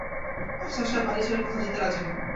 আফসার সাহেব বাড়ি ছেড়ে কোথাও যেতে রাজি নন।